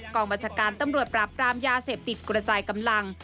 กองบัญชาการตำรวจปราบปรามยาเสพติดกระจายกำลัง